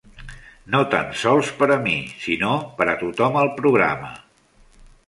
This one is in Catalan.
No tan sols per a mi, sinó per a tothom al programa.